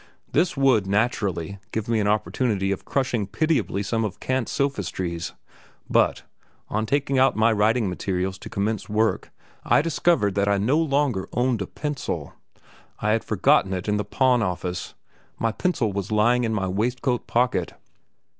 This would, naturally, give me an opportunity of crushing pitiably some of Kant's sophistries ... but, on taking out my writing materials to commence work, I discovered that I no longer owned a pencil: I had forgotten it in the pawn office. My pencil was lying in my waistcoat pocket.